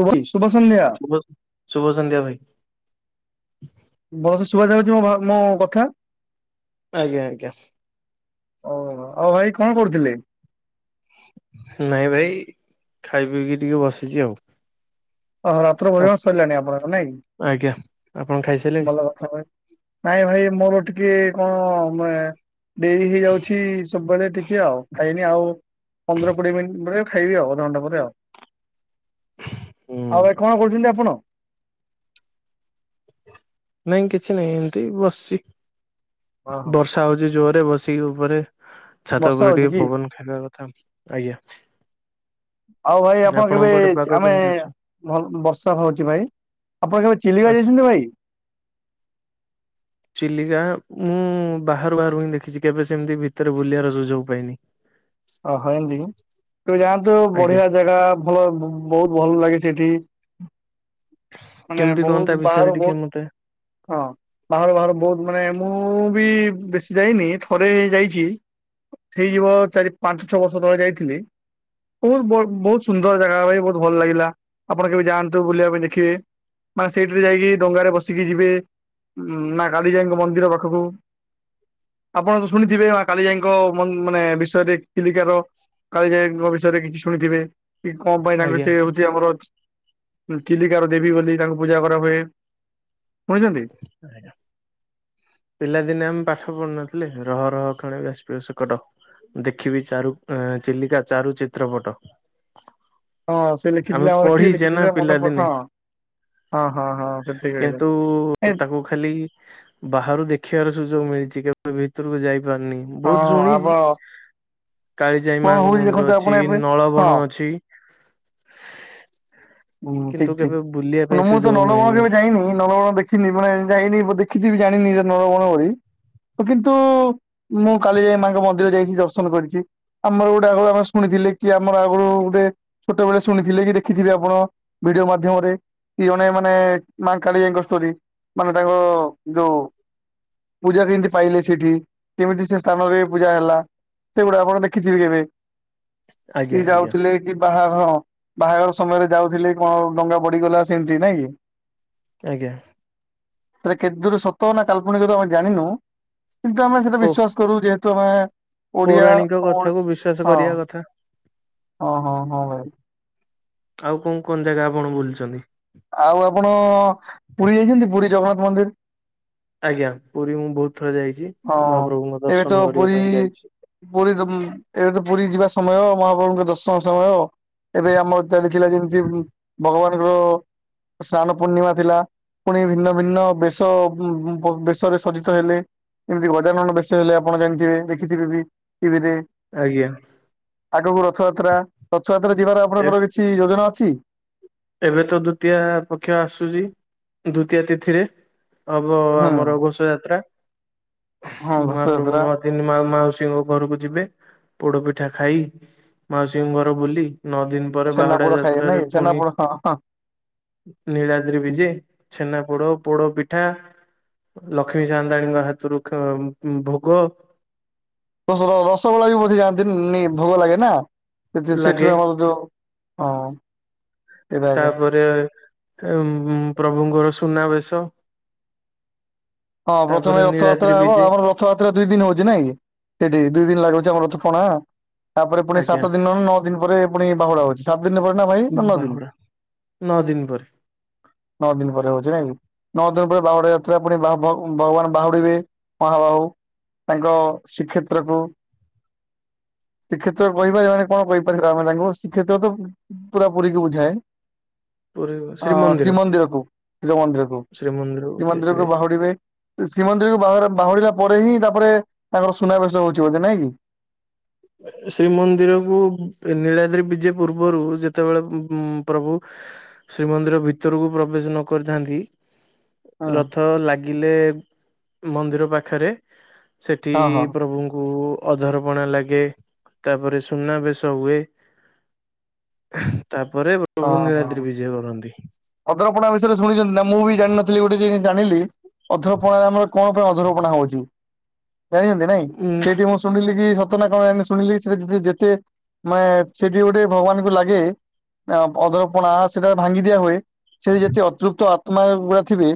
[unintelligible] ଶୁଭ ସନ୍ଧ୍ୟା। ଶୁଭ ଶୁଭ ସନ୍ଧ୍ୟା ଭାଇ। [unintelligible] ଶୁଭାଯାଉଛି ମୋ ଭ ମୋ କଥା। ଆଜ୍ଞା ଆଜ୍ଞା। ଓ ହୋ ଆଉ ଭାଇ କଣ କରୁଥିଲେ? ନାଇଁ ଭାଇ ଖାଇ ପିଇକି ଟିକେ ବସିଛି ଆଉ। ଓ ହ ରାତ୍ର ଭୋଜଣ ସଇଲାଣି ଆପଣଙ୍କର ନାଇଁ ଆଜ୍ଞା ଆପଣ କି ଖାଇସାରିଲେଣି? ଭଲ। ସ ନାଇଁ ଭାଇ ମୋର ଟିକେ କଣ ମେ ଡେରି ହେଇଯାଉଛି ସବୁବେଳେ ଟିକେ ଆଉ ଖାଇନି ଆଉ ପନ୍ଦର କୋଡ଼ିଏ ମିନିଟ୍ ପରେ ଖାଇବି ଆଉ ଅଧଘଣ୍ଟେ ପରେ ଆଉ। ହୁଁ ଆଉ ଭାଇ କଣ କରୁଛନ୍ତି ଆପଣ? ନାଇଁ କିଛି ନାହିଁ ଏମିତି ବସିଛି ହଁ ହଁ ବର୍ଷା ହଉଛି ଜୋରରେ ବସିକି ଉପରେ ଛାତ ବର୍ଷା ଉପରେ ହଉଛି ଟିକେ କି ପବନ ଖାଇବା କଥା ଆଜ୍ଞା। ଆଉ ଭାଇ ଆପଣ କେବେ ଆପଣଙ୍କ ପଟେ ଚ୍ ପାଗ ଆମେ କେମିତି ଅଛି? ଭଲ ବର୍ଷା ହଉଚି ଭାଇ। ଆପଣ କେବେ ଚିଲିକ ଆଛା ଯାଇଛନ୍ତି ଭାଇ? ଚିଲିକା ମୁଁ ବାହାରୁ ବାହାରୁ ହିଁ ଦେଖିଚି କେବେ ସେମିତି ଭିତରେ ବୁଲିବାର ସୁଯୋଗ ପାଇନି। ଅହ ଏମତି କି? ତୁ ଯାଆନ୍ତୁ ଆଜ୍ଞା ବଢ଼ିଆ ଜାଗା ଭଲ ବହୁତ ଭଲ ଲାଗେ ସେଠି। ମାନେ କେମିତି କଣ ତା ବହୁତ ବିଷୟରେ ବାହାରୁ ଟିକେ ବହୁତ ମତେ ହଁ। ବାହାରୁ ବାହାରୁ ବହୁତ ମାନେ ମୁଁ ବି ବେଶୀ ଯାଇନି ଥରେ ଯାଇଛି। ହେଇଯିବ ଚାରି ପାଞ୍ଚ ଛଅ ବର୍ଷ ତଳେ ଯାଇଥିଲି। ବୋହୁତ ବଡ଼ ବୋହୁତ ସୁନ୍ଦର ଜାଗା ଭାଇ ବୋହୁତ ଭଲ ଲାଗିଲା ଆପଣ କେବେ ଯାଆନ୍ତୁ ବୁଲିବା ପାଇଁ ଦେଖିବେ। ମାନେ ସେଇଠିରେ ଯାଇକି ଡଙ୍ଗାରେ ବସିକି ଯିବେ। ଉଁ ନାଁ କାଳିଜାଇଙ୍କ ମନ୍ଦିର ପାଖୁକୁ। ଆପଣ ତ ଶୁଣିଥିବେ ମା କାଲିଜାଇଙ୍କ ମ ମାନେ ବିଷୟରେ। ଚିଲିକାର କାଳିଜାଙ୍କ ବିଷୟରେ କିଛି ଶୁଣିଥିବେ କି କଁ ପାଇଁ ତାଙ୍କ ସେ ଆଜ୍ଞା ଯେ ଆମର ଚ୍ ଚିଲିକାର ଦେବୀ ବୋଲି ତାଙ୍କୁ ପୂଜା କରାହୁଏ, ଶୁଣିଛନ୍ତି? ଆଏ ଦା ପିଲାଦିନେ ଆମେ ପାଠ ପଢୁନଥିଲେ ରହ ରହ କ୍ଷଣେ ବାଷ୍ପୀୟ ସକଟ। ଦେଖିବି ଚାରୁ ଉଁ ଚିଲିକା ଚାରୁ ଚିତ୍ରପଟ। ହଁ ସେ ଆମେ ଲେଖିଥିଲେ ଆମର କିଏ ପଢିଛେ ନା ଲେଖିଥିଲେ ମନେ ପ ପିଲାଦିନେ। ହଁ। ହଁ ହଁ ହଁ ସେଥିରେ ହେଲେ କିନ୍ତୁ ଏ ତାକୁ ଖାଲି ବାହାରୁ ଦେଖିବାର ସୁଯୋଗ ମିଳିଚି କେବେ ଭିତୁରୁକୁ ଯାଇ ପାରୁନି। ହଁ ଆବ କାଳିଜାଇ କଣ ମାଙ୍କ ହଉଛି ମନ୍ଦିର ଦେଖନ୍ତୁ ଅଛି ଆପଣ ଏବେ ହଁ ନଳବଣ ଅଛି। [unintelligible] କିନ୍ତୁ କେବେ ବୁଲିବା ପାଇଁ ନମୁ ତୁ ସୁଯୋଗ ନଳବଣ ମିଳିନି କେବେ ଯାଇନୁ କି ନଳବଣ ଦେ ଖିନି ବଣାଏ ମୁଁ ଯାଇନି ବୋ ଦେଖିଥିବି ଜାଣିନି ହେରା ନଳବଣ ବୋଲି। ଉ କିନ୍ତୁ ମୁଁ କାଳିଜାଇ ମାଆଙ୍କ ମନ୍ଦିର ଯାଇଛି ଦର୍ଶନ କରିଚି। ଆମର ଗୋଟେ ଆଗରୁ ଆମେ ଶୁଣିଥିଲି କି ଆମର ଆଗରୁ ଗୋଟେ ଛୋଟ ବେଳେ ଶୁଣିଥିଲେ କି ଦେଖିଥିବେ ଆପଣ ଭିଡ଼ିଓ ମାଧ୍ୟମରେ କି ଜଣେ ମାନେ ମା କାଳିଜାଇଙ୍କ ଷ୍ଟୋରି। ମାନେ ତାଙ୍କ ଯୋଉ ପୂଜା କେନ୍ତି ପାଇଲେ ସେଇଠି କେମିତି ସେ ସ୍ଥାନରେ ପୂଜା ହେଲା। ସେଗୁଡ଼ା ଆପଣ ଦେଖିଥିବେ କେବେ ଆଜ୍ଞା ଇ ଆଜ୍ଞା ଯାଉଥୁଲେ କି ବାହା ହଁ ବାହାଘର ସମୟରେ ଯାଉଥୁଲେ କଣ ଡଙ୍ଗା ପଡ଼ିଗଲା ସେମତି, ନାଇଁ କି? ଆଜ୍ଞା। ସେଟା କେତେ ଦୂରୁ ସତ ନା କାଳ୍ପନିକ ତ ଆମେ ଜାଣିନୁ କିନ୍ତୁ ଆମେ ସେଟା ଓ ବିଶ୍ୱାସ କରୁ ଯେହେତୁ ଆମେ ଓଡ଼ିଆ ପୌରାଣିକ ତଅଡ଼ି କଥାକୁ ବିଶ୍ଵାସ ହଁ କରିବା କଥା ହଁ ହଁ ହଁ ଭାଇ। ଆଉ କଁ କଁ ଜାଗା ଆପଣ ବୁଲଚନ୍ତି? ଆଉ ଆପଣ ପୁରୀ ଯାଇଛନ୍ତି ପୁରୀ ଜଗନ୍ନାଥ ମନ୍ଦିର? ଆଜ୍ଞା ପୁରୀ ମୁଁ ବୋହୁତ ଥର ଯାଇଛି ହଁ ମହାପ୍ରଭୁଙ୍କ ଏବେ ତ ଦର୍ଶନ କରିବା ପୁରୀ ପାଇଁ ଯାଇଛି। ପୁରୀ ତ ମୁଁ ଏବେ ତ ପୁରୀ ଯିବା ସମୟ ମହାପ୍ରଭୁଙ୍କ ଦର୍ଶନ ସମୟ। ଏବେ ଆମର ଚାଲିଥିଲା ଯେମିତି ଉଁ ଭଗବାନଙ୍କ ସ୍ନାନ ପୂର୍ଣ୍ଣିମା ଥିଲା। ପୁଣି ଭିନ୍ନ ଭିନ୍ନ ବେଶ ଉଁ ଉଁ ଭ ବେଶରେ ସଜିତ ହେଲେ। ଏମତି ଗଜାନନ ବେଶ ହେଲେ ଆପଣ ଜାଣିଥିବେ ଦେଖିଥିବେ ବି ଟି ଭି ରେ। ଆଜ୍ଞା। ଆଗକୁ ରଥଯାତ୍ରା, ରଥଯାତ୍ରା ଯିବାର ଏ ଆପଣଙ୍କର କିଛି ଯୋଜନା ଅଛି? ଏବେ ତ ଦ୍ଵିତୀୟା ପକ୍ଷ ଆସୁଚି ଦ୍ଵିତୀୟା ତିଥିରେ। ହବ ହୁଁ ଆମର ଘୋସେଇ ଯାତ୍ରା। ହଁ ମହାପ୍ରଭୁ ଘଷଯାତ୍ରା ନୂଆ ଦିନ ମା ମାଉସୀଙ୍କ ଘରକୁ ଯିବେ ପୋଡ ପିଠା ଖାଇ ମାଉସୀଙ୍କ ଘର ବୁଲି ନଅ ଦିନ ପରେ ଛେନାପୋଡ ବାହୁଡା ଖାଇବେ ନାଇଁ ଯାତ୍ରାରେ ପୁଣି ଛେନାପୋଡ ହଁ ନୀଳଦ୍ରି ବିଜେ ଛେନା ପୋଡ ପୋଡ ପିଠା। ଲକ୍ଷ୍ମୀ ସାଆନ୍ତାଣୀଙ୍କ ହାତରୁ ଭୋଗ। ଓ ହୋ ହ ରସଗୋଲା ବି ବୋଧେ ଯାଆନ୍ତି ନେଇ ଭୋଗ ଲାଗେ ନା। ତ ସେ ଲାଗେ ସେଠର ଆମର ଯୋଉ ହଁ। ସେଇଟା ଏକା ତାପରେ ଉ ପ୍ରଭୁଙ୍କର ସୁନାବେଶ। ହଁ ପ୍ରଥମେ ତାପରେ ନୀଳାଦ୍ରି ରଥଯାତ୍ରା ହବ ବିଜେ ଆମର ରଥଯାତ୍ରା ଦୁଇ ଦିନ ହଉଚି ନାଇଁ କି। ସେଠି ଦୁଇ ଦିନ ଲାଗୁଚି ଆମର ରଥ ଟଣା। ତାପରେ ପୁଣି ଆଜ୍ଞା ସାତ ଦିନ ନଅ ଦିନ ପରେ ପୁଣି ବାହୁଡା ହଉଚି ସାତ ଦିନ ପରେ ନା ଭାଇ ନା ନଅ ଦିନ? ବାହୁଡା ନଅ ଦିନ ପରେ। ନଅ ଦିନ ପରେ ହଉଚି ନାଇଁ। ନଅ ଦିନ ପରେ ବାହୁଡା ଯାତ୍ରା ପୁଣି ବା ଭ ଭଗବାନ ବାହୁଡିବେ ମହାବାହୁ ତାଙ୍କ ଶ୍ରୀକ୍ଷେତ୍ରକୁ ଶ୍ରୀ୍ଷେତ୍ର କହିପାରିବା ମାନେ କଣ କହିପାରିବା ଆମେ ତାଙ୍କୁ ଶ୍ରୀ୍ଷେତ୍ର ତ ପୁରା ପୁରୀକୁ ବୁଝାଏ। ଅ ଶ୍ରୀମନ୍ଦିର କୁ ଶିବ ମନ୍ଦିରକୁ ଶ୍ରୀମନ୍ଦିରକୁ ଶ୍ରୀ ମନ୍ଦିରକୁ ଫେରିବେ ବାହୁଡିବେ। ଶ୍ରୀମନ୍ଦିରକୁ ବାହା ବାହୁରିଲା ପରେ ହିଁ ତାପରେ ତାଙ୍କର ସୁନାବେଶ ହଉଚି ବୋଧେ ନାଇଁ କି? ହଁ ଶ୍ରୀମନ୍ଦିରକୁ ନୀଳାଦ୍ରି ବିଜେ ପୂର୍ବରୁ ଯେତେବେଳେ ଉ ଉଁ ପ୍ରଭୁ ଶ୍ରୀମନ୍ଦିର ଭିତରକୁ ପ୍ରବେଶ ନ କରିଥାନ୍ତି। ହୁଁ ରଥ ଲାଗିଲେ ମନ୍ଦିର ପାଖରେ ସେଠି ହଁ ହଁ ପ୍ରଭୁଙ୍କୁ ଅଧର୍ପଣା ଲାଗେ। ତାପରେ ସୁନା ବେଶ ହୁଏ। ତାପରେ ପ୍ରଭୁ ନୀଳାଦ୍ରି ବିଜେ କରନ୍ତି। ଅଧରପଡ଼ା ବିଷୟରେ ଶୁଣିଚନ୍ତି ନା ମୁଁ ବି ଜାଣିନଥିଲି ଗୋଟେ ଜିନିଷ ଜାଣିଲି ଅଧ୍ରପଣା ଆମର କଣ ଅଧରପଣା ହଉଚି। ଜାଣିଚନ୍ତି ନାଇଁ ଉ ସେଇଠି ମୁଁ ଶୁଣିଲି କି ତ ନା କଣ ଶୁଣିଲି ସେ ଯେ ଯେତେ ମାନେ ସେଠି ଗୋଟେ ଭଗବାନଙ୍କୁ ଲାଗେ। ଆ ଅଦରପଣା ସେଟା ଭାଙ୍ଗି ଦିଆ ହୁଏ, ସେ ଯେତକି ଅତୃପ୍ତ ଆତ୍ମା ଗୁଡା ଥିବେ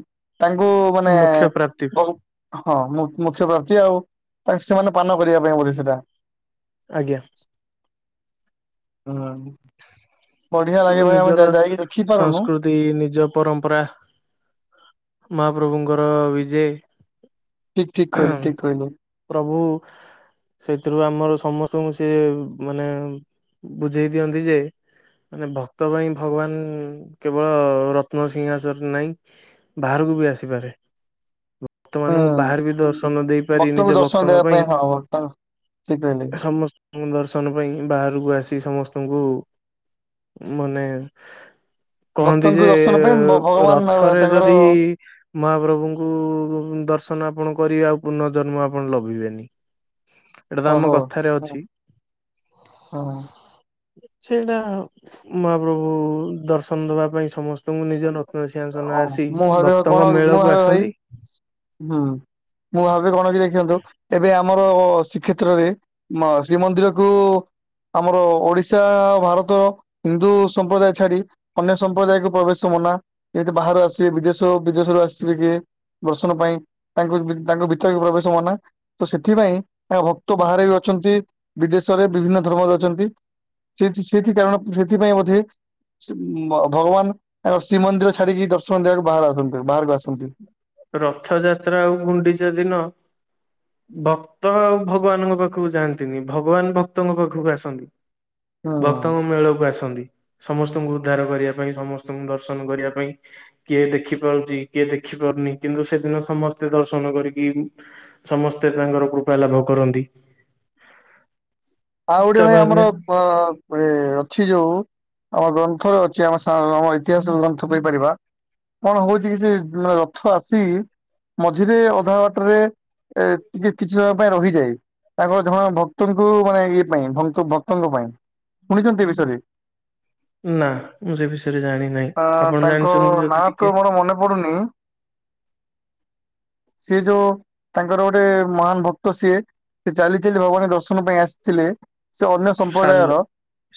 ତାଙ୍କୁ ମାନେ ମୁଖ୍ୟ ପ୍ରାପ୍ତି ବହୁ ହଁ ମୁ ମୁଖ୍ୟ ପ୍ରାପ୍ତି ଆଉ ସେମାନେ ପାନ କରିବା ପାଇଁ ବୋଧେ ସେଇଟା। ଆଜ୍ଞା। ହୁଁ। ବଢିଆ ଲାଗେ ଭାଇ ଆମେ ଯାଇକି ଦେଖିପାରୁନୁ। ଇ ନିଜ ପରମ୍ପରା ମହାପ୍ରଭୁଙ୍କର ବିଜେ। ଠିକ ଠିକ କହିଲେ ଠିକ କହିଲେ। ପ୍ରଭୁ। ସେଇଥିରୁ ଆମର ସମସ୍ତଙ୍କୁ ସିଏ ମାନେ ବୁଝେଇ ଦିଅନ୍ତି ଯେ ମାନେ ଭକ୍ତ ପାଇଁ ଭଗବାନ ଉଁ କେବଳ ରତ୍ନସିିଂହାସରରେ ନାହିଁ ବାହାରକୁ ବି ଆସିପାରେ। ବର୍ତମାନ ମୁ ବାହାର ବି ହୁଁ ଦର୍ଶନ ଦେଇପାରି ଭକ୍ତଙ୍କୁ ନିଜ ଦର୍ଶନ ଭକ୍ତଙ୍କ ଦେବା ପାଇଁ ହଁ ଭକ୍ତ ଠିକ କହିଲେ ସମସ୍ତଙ୍କ ଦର୍ଶନ ପାଇଁ ବାହାରକୁ ଆସି ସମସ୍ତଙ୍କୁ ମାନେ କହନ୍ତି ଯେ ଭକ୍ତଙ୍କୁ ଦର୍ଶନ ପାଇଁ ଭଗବାନ ରଥରେ ତାଙ୍କର ଯଦି ମହାପ୍ରଭୁଙ୍କୁ ଦର୍ଶନ ଆପଣ କରିବେ ଆଉ ପୁର୍ଃ ଜନ୍ମ ଆପଣ ଲଭିବେନି। ଏଇଟା ତ ଆମ ଓହୋ କଥାରେ ଅଛି। ସେଇଟା ମହାପ୍ରଭୁ ଦର୍ଶନ ଦବା ପାଇଁ ସମସ୍ତ ତମ ନିଜ ନତନ ସିଆସନ ହଁ ଆସି ମୁଁ ଭାବିବା ଭକ୍ତଙ୍କ କଣ ମୁଁ ମେଳକୁ ଭାବେ ଭାଇ ଆସନ୍ତି। ହୁଁ [unintelligible] ଏବେ ଆମର ଶ୍ରୀକ୍ଷେତ୍ରରେ [unintelligible] ଶ୍ରୀମନ୍ଦିରକୁ। ଆମର ଓଡିଶା ଭାରତ ହିନ୍ଦୁ ସମ୍ପ୍ରଦାୟ ଛାଡି ଅନ୍ୟ ସମ୍ପ୍ରଦାୟକୁ ପ୍ରବେଶ ମନା ଯେମତି ବାହାରୁ ଆସିବେ ବିଦେଶ ବିଦେଶରୁ ଆସିବି କିଏ ଦର୍ଶନ ପାଇଁ ତାଙ୍କୁ ତାଙ୍କ ଭିତରେକୁ ପ୍ରବେଶ [unintelligible] ତ ସେଥିପାଇଁ [unintelligible] ଭକ୍ତ ବାହାରେ ବି ଅଛନ୍ତି ବିଦେଶରେ ବିଭିନ୍ନ ଧର୍ମରେ ଅଛନ୍ତି। ସେ [unintelligible] ଭଗବାନ ଆ ଶ୍ରୀମନ୍ଦିର ଛାଡିକି ଦର୍ଶନ ଦେବାକୁ ବାହାର ଆସନ୍ତୁ ବାହାରକୁ ଆସନ୍ତି। ରଥଯାତ୍ରା ଆଉ ଗୁଣ୍ଡିଚା ଦିନ [unintelligible] ଭକ୍ତ ଆଉ ଭଗବାନଙ୍କ ପାଖକୁ ଯାଆନ୍ତିନି ଭଗବାନ ଭକ୍ତଙ୍କ ପାଖକୁ ଆସନ୍ତି। [unintelligible] ଭକ୍ତଙ୍କ ମେଳକୁ ଆସନ୍ତି ସମସ୍ତଙ୍କୁ ଉଦ୍ଧାର କରିବା ପାଇଁ ସମସ୍ତଙ୍କୁ ଦର୍ଶନ କରିବା ପାଇଁ। କିଏ ଦେଖିପାରୁଛି କିଏ ଦେଖି ପାରୁନି କିନ୍ତୁ ସେଦିନ ସମସ୍ତେ ଦର୍ଶନ କରିକି ସମସ୍ତେ ତାଙ୍କର କୃପା ଲାଭ କରନ୍ତି। ଆଉ ଗୋଟେ ତା ଭାଇ ବାଦେ ଆମର ପ ମ ଅଛି ଯୋଉ ଆମ ଗ୍ରନ୍ଥରେ ଅଛି [unintelligible] ଇତିହାସରେ ଗ୍ରନ୍ଥ କହିପାରିବା। କଣ ହଉଛି କି ସେ ମ ରଥ ଆସି ମଝିରେ ଅଧା ବାଟରେ ଏ ଟିକେ କିଛି ସମୟ ପାଇଁ ରହିଯାଏ ତାଙ୍କର ଜଣେ ଭକ୍ତଙ୍କୁ ମାନେ [unintelligible] ଶୁଣିଛନ୍ତି ଏ ବିଷରେ? ନା ମୁଁ ସେ ବିଷୟରେ ଜାଣି ନାହିଁ ଆ ଆପଣ ତାଙ୍କ ଜାଣିଛନ୍ତି ଯଦି ନାଁ ଟିକେ ତ ମୋର ମନେ ପଡୁନି। ସିଏ ଯୋଉ ତାଙ୍କର ଗୋଟେ ମହାନ ଭକ୍ତ ସିଏ। [unintelligible] ଚାଲି ଚାଲି ଭଗବାନ ଦର୍ଶନ ପାଇଁ ଆସିଥିଲେ ସେ ଅନ୍ୟ ସାଲ ସମ୍ପ୍ରଦାୟର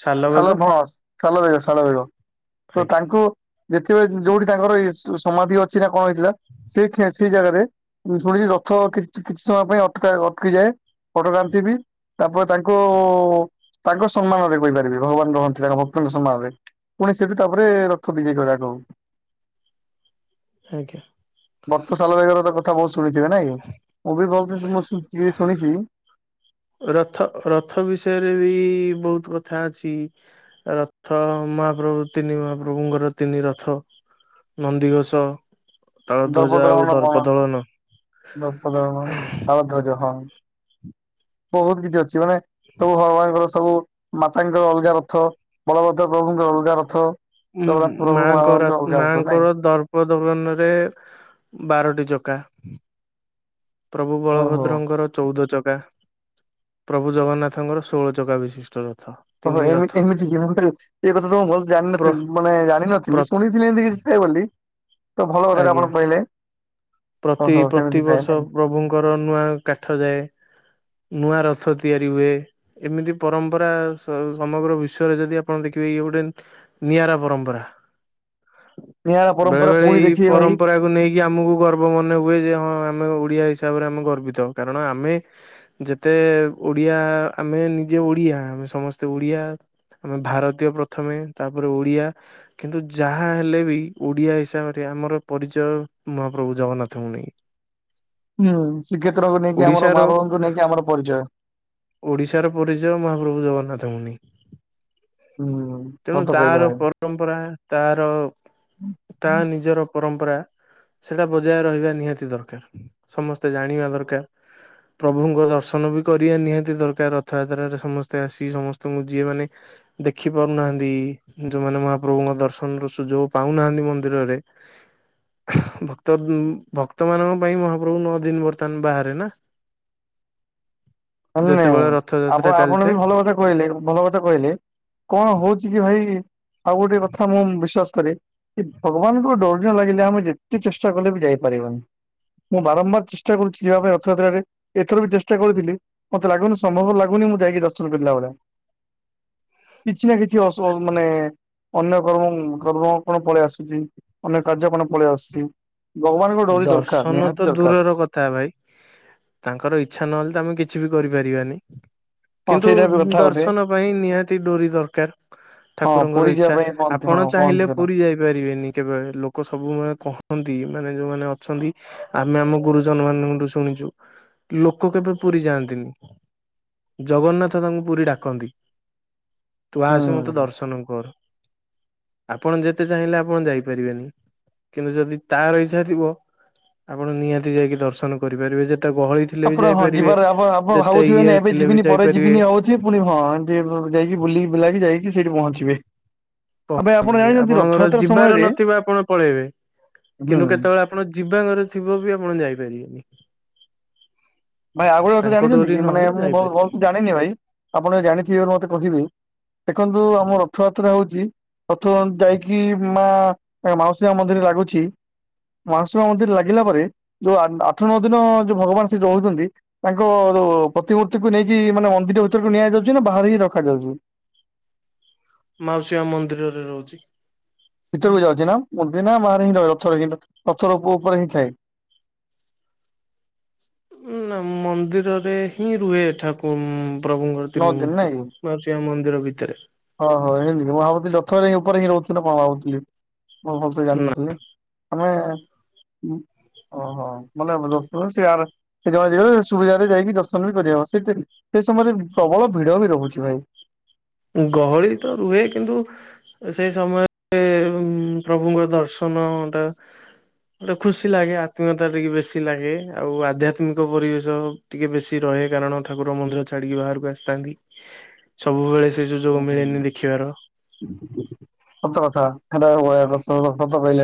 ଶାଲବେଗ ସାଲ ଭସ ସାଲ ବେଗ ସାଲ ବେଗ ତ ଆଜ୍ଞା। ତାଙ୍କୁ [unintelligible] ଯୋଉଠି ତାଙ୍କର ଏଇ ସ ସମାଧି ଅଛି ନା କଣ ହେଇଥିଲା ସେ [unintelligible] ସେଇ ଜାଗାରେ ମୁ ଶୁଣିୁଛି ରଥ [unintelligible] କିଛି ସମୟ ପାଇଁ ଅଟକା ଅଟକିଯାଏ। [unintelligible] ତାପରେ ତାଙ୍କୁ ତାଙ୍କ ସମ୍ମାନରେ କହିପାରିବି ଭଗବାନ ରହନ୍ତି ତାଙ୍କ ଭକ୍ତଙ୍କ ସମ୍ମାନରେ। ପୁଣି ସେଠୁ ତାପରେ ରଥ [unintelligible] ଆଜ୍ଞା। ଭକ୍ତ ଶାଲବେଗର ତ କଥା ବହୁତ ଶୁଣିଥିବେ ନାଇଁ ମୁଁ ବି [unintelligible] ମୁଁ ଶୁଣିଛି। ରଥ ରଥ ବିଷୟରେ ବି ବହୁତ କଥା ଅଛି। ରଥ ମହାପ୍ରଭୁ ତିନି ମହାପ୍ରଭୁଙ୍କର ତିନି ରଥ। ନନ୍ଦୀଘୋଷ। [unintelligible] ବହୁତ କିଛି [unintelligible] ସବୁ ଭଗବାନଙ୍କର ସବୁ ମାତାଙ୍କର ଅଲଗା ରଥ ବଳଭଦ୍ର ପ୍ରଭୁଙ୍କର ଅଲଗା ରଥ। ଜଗନ୍ନାଥ ଉୁଁ ପ୍ରଭୁ ମାଙ୍କର ମହାପ୍ରଭୁଙ୍କର ଅଲଗା ରଥ ନାଇଁ। ମାଙ୍କର ଦର [unintelligible] ରେ ବାରଟି ଚକା। ପ୍ରଭୁ ଓହୋ। ବଳଭଦ୍ରଙ୍କର ଚଉଦ ଚକା। ପ୍ରଭୁ ଜଗନ୍ନାଥଙ୍କର ଷୋହଳ ଚକା ବିଶିଷ୍ଟ ରଥ। ଓ ହ ତିନି ରଥ ଏମିତି ଏମିତିକି ଏ କଥା ତ ଭଲସେ ପ୍ର ଜାଣିିନଥିଲି ମାନେ ପ୍ର ଜାଣିିନଥିଲି ଶୁଣିି [unintelligible] ତ ଭଲ କଥାଟା ଆଜ୍ଞା ଆପଣ କହିଲେ। ପ୍ରତି ଓହୋ ସେମିତି ଥାଏ ପ୍ରତିିବର୍ଷ ନାଇଁ। ପ୍ରଭୁଙ୍କର ନୂଆ କାଠ ଯାଏ। ନୂଆ ରଥ ତିଆରି ହୁଏ। ଏମିତି ପରମ୍ପରା ସ ସମଗ୍ର ବିଶ୍ଵରେ ଯଦି ଆପଣ ଦେଖିବେ ଇଏ ଗୋଟେ ନିଆରା ପରମ୍ପରା। ନିଆରା ପରମ୍ପରା ପୁଣି ଦେଖିବେ ଭାଇ। ତାକୁ ନେଇକି ଆମକୁ ଗର୍ବ ମନେ ହୁଏ ଯେ ହଁ ଆମେ ଓଡିଆ ହିସାବରେ ଆମେ ଗର୍ବିତ କାରଣ ଆମେ ଯେତେ ଓଡିଆ ଆମେ ନିଜେ ଓଡିଆ ଆମେ ସମସ୍ତେ ଓଡିଆ। ଆମେ ଭାରତୀୟ ପ୍ରଥମେ ତାପରେ ଓଡିଆ। କିନ୍ତୁ ଯାହା ହେଲେ ବି ଓଡିଆ ହିସାବରେ ଆମର ପରିଚୟ। ମ ପ୍ରଭୁ ଜଗନ୍ନାଥ କୁ ନେଇକି। ହୁଁ ଶ୍ରୀକ୍ଷେତ୍ରକୁ ନେଇକି ଆମର ଓଡିଶାର ମାହା ବାହୁଙ୍କୁ ନେଇକି ଆମର ପରିଚୟ। ଓଡିଶାର ପରିଚୟ ମହାପ୍ରଭୁ ଜଗନ୍ନାଥ ନେଇ ହୁଁ ସତ ତେଣୁ କହିଲେ ତାର ଭାଇ। ପ ପରମ୍ପରା ତାର ତା ନିଜର ପରମ୍ପରା। ସେଇଟା ବଜାୟ ରହିବା ନିହାତି ଦରକାର ସମସ୍ତେ ଜାଣିବା ଦରକାର। ପ୍ରଭୁଙ୍କ ଦର୍ଶନ ବି କରିବା ନିହାତି ଦରକାର ରଥଯାତ୍ରାରେ ସମସ୍ତେ ଆସି ସମସ୍ତଙ୍କୁ ଯିଏ ମାନେ ଦେଖିପାରୁନାହାନ୍ତି। ଯୋଉମାନେ ମହାପ୍ରଭୁଙ୍କ ଦର୍ଶନ ର ସୁଯୋଗ ପାଉନାହାନ୍ତି ମନ୍ଦିରରେ। ତ ଭକ୍ତ ମାନଙ୍କ ପାଇଁ ମହାପ୍ରଭୁ ନଅ ଦିନ ବର୍ତ୍ତମାନ ବାହାରେ ନା। ମାନେ ଯେତେବେଳେ ରଥଯାତ୍ରା ଆପ ଆପଣ ଚାଲିଥାଏ ବି ଭଲ କଥା କହିଲେ ଭଲ କଥା କହିଲେ। କଣ ହଉଛି କି ଭାଇ ଆଉ ଗୋଟେ କଥା ମୁଁ ବିଶ୍ଵାସ କରେ। କି ଭଗବାନଙ୍କୁ ଡୋରି ନ ଲାଗିଲେ ଆମେ ଯେତେ ଚେଷ୍ଟା କଲେ ବି ଯାଇପାରିବନି। ମୁଁ ବାରମ୍ବାର ଚେଷ୍ଟା କରୁଛି ଯିବା ପାଇଁ ରଥଯାତ୍ରାରେ ଏଥର ବି ଚେଷ୍ଟା କରୁଥିଲି। ମତେ ଲାଗନୁ ସମ୍ଭବ ଲାଗୁନି ମୁଁ ଯାଇକି ଦର୍ଶନ କଲା ଭଳିଆ। କିଛି ନା କିଛିଆ ସ ମାନେ ଅନ୍ୟ କର୍ମ କର୍ମ କଣ ପଳେଇ ଆସୁଛି ଅନ୍ୟ କାର୍ଯ୍ୟ କଣ ପଳେଇ ଆସୁଛି। ଭଗବାନଙ୍କ ଡୋରି ଦରକାର ନିହାତି ଦରକାର। ର କଥା ଭାଇ। ତାଙ୍କର ଇଚ୍ଛା ନହେଲେ ତ ଆମେ କିଛି ବି କରିପାରିବାନି। ହଁ କିନ୍ତୁ ସେଇଟା ବି କଥା ଗୋଟେ। ଦର୍ଶନ ପାଇଁ ନିହାତି ଡୋରି ଦରକାର। ହଁ ଠାକୁରଙ୍କର ପୁରୀ ଯିବା ଇଚ୍ଛା ପାଇଁ କହନ୍ତି ହଁ ଆପଣ କହନ୍ତି ଚାହିଁଲେ ସେଟା ପୁରୀ ଯାଇପାରିବେନି। କେବେ ଲୋକ ସବୁ ମାନେ କହନ୍ତି ମାନେ ଯୋଉ ମାନେ ଅଛନ୍ତି ଆମେ ଆମ ଗୁରୁଜନ ମାନଙ୍କଠୁ ଶୁଣିଛୁ। ଲୋକ କେବେ ପୁରୀ ଯାଆନ୍ତିନି। ଜଗନ୍ନାଥ ତାଙ୍କୁ ପୁରୀ ଡାକନ୍ତି ତୁ ଆସେ ହୁଁ। ମତେ ଦର୍ଶନ କରେ। ଆପଣ ଯେତେ ଚାହିଁଲେ ଆପଣ ଯାଇପାରିବେନି କିନ୍ତୁ ଯଦି ତାର ଇ ଛା ଥିବ ଆପଣ ନିହାତି ଯାଇକି ଦର୍ଶନ କରିପାରିବେ ଯେତେ ଗହଳି ଥିଲେ ବି ଆପଣ ହଁ ଯାଇପାରିବେ। ଯିବାର ଆପ ଆପଣ ଯେତେ ଭାବୁଥିବେ ଇଏରେ ନାଇ ଏବେ ଥିଲେ ବି ଯିବିନି ପରେ ଯାଇପାରିବେ ଯିବିନି ହଉ ପୁଣି ହଁ ଏମିତି ଯାଇକି ବୁଲ ବୁଲାକି ଯାଇକି ସେଇଠି ପହଞ୍ଚିବେ। ଆଉ ଭାଇ ଆପଣ ପହଞ୍ଚିବେ ଜାଣିଛନ୍ତି ଆପଣଙ୍କର ରଥଯାତ୍ରା ଯିବାର ସମୟରେ ନଥିବା ଆପଣ ପଳେଇବେ ହୁଁ କିନ୍ତୁ କେତେବେଳେ ଆପ ଆପଣ ଯିବା ଘରେ ଥିବ ବି ଆପଣ ଯାଇପାରିବେନି। ଭାଇ ଆଉ ଗୋଟେ କଥା ତାଙ୍କ ଜାଣିଛନ୍ତି ଡୋରି କି ମାନେ ନହେଲେ ମୁଁ ବହୁତ ଯାଇପାରିବେନି। ବହୁ ଜାଣି ନାଇ ନାଇ ଭାଇ ଆପଣ ଜାଣିଥିବେ ମତେ କହିବେ ଦେଖନ୍ତୁ ଆମ ରଥଯାତ୍ରା ହଉଛି ପଥମ ଯାଇକି ମା ମାଉସୀ ମା ମନ୍ଦିର ଲାଗୁଛି। ମାଉସୀ ମା ମନ୍ଦିର ଲାଗିଲା ପରେ ଯୋଉ ଆ ଆଠ ନଅ ଦିନ ଯୋଉ ଭଗବାନ ସେ ରହୁଛନ୍ତି ତାଙ୍କ ରୋ ପ୍ରତିମୂର୍ତ୍ତିକୁ ନେଇକି ମାନେ ମନ୍ଦିର ଭିତରକୁ ନିଆଯାଉଛି ନା ବାହାରେ ହିଁ ରଖାଯାଉଛି। ମାଉସୀ ମା ମନ୍ଦିରରେ ରହୁଛି। ଭିତରକୁ ଯାଉଛି ନା, ମୁଣ୍ଡି ନା ମାରେ ହିଁ ରହ ରଥରେ ହିଁ ରଥ ରୂପ ଉ ଉପରେ ହିଁ ଥାଏ। ନା ମନ୍ଦିରରେ ହିଁ ରୁହେ ଠାକୁ ପ୍ରଭୁଙ୍କର ନଅ ଦିନ ତିନିମୂର୍ତ୍ତି। ନାଇଁ କି? ମାଉସି ମା ମନ୍ଦିର ଭିତେରେ। ହଁ, ହଁ ଏମତି ମୁଁ ଭାବୁଥିଲି ରଥରେ ହିଁ ଉପରେ ହିଁ ରହୁଥିଲ ନା କଣ ଭାବୁଥିଲି ମୁଁ ଭଲସେ ନା ଜାଣିିନଥିଲି। ଆମେ ଉଁ ଓହୋ ମାନେ [unintelligible] ସେ ଆର ସେ [unintelligible] ସୁବିଧରେ ଯାଇକି ଦର୍ଶନ ବି କରିହବ ସେତେ ସେ ସମୟରେ ପ୍ରବଳ ଭିଡ ଭିଡ ହଉଛି ଭାଇ। ଗହଳି ତ ରୁହେ କିନ୍ତୁ ସେଇ ସମୟରେ ପ୍ରଭୁଙ୍କ ଦର୍ଶନଟା ଗୋଟେ ଖୁସି ଲାଗେ ଆତ୍ମୀୟତା ଟିକେ ବେଶୀ ଲାଗେ, ଆଉ ଆଧ୍ୟାତ୍ମିକ ପରିବେଶ ଟିକେ ବେଶି ରହେ କାରଣ ଠାକୁର ମନ୍ଦିର ଛାଡିକି ବାହାରକୁ ଆସିଥାନ୍ତି, ସବୁବେଳେ ସେ ସୁଯୋଗ ମିଳେନି ଦେଖିବାର। ସତ କଥା ହେଟା ହୁଏ ଏବର୍ଷ ସତ କହିଲେ।